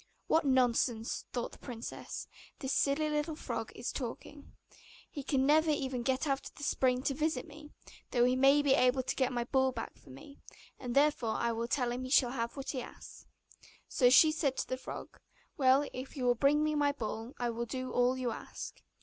'What nonsense,' thought the princess, 'this silly frog is talking! He can never even get out of the spring to visit me, though he may be able to get my ball for me, and therefore I will tell him he shall have what he asks.' So she said to the frog, 'Well, if you will bring me my ball, I will do all you ask.